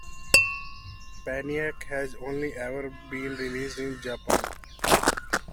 "Painiac" has only ever been released in Japan.